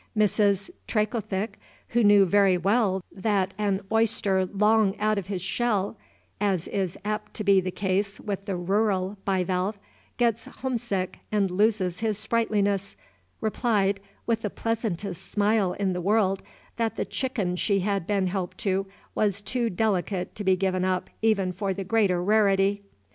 Mrs. Trecothick, who knew very well that an oyster long out of his shell (as is apt to be the case with the rural bivalve) gets homesick and loses his sprightliness, replied, with the pleasantest smile in the world, that the chicken she had been helped to was too delicate to be given up even for the greater rarity.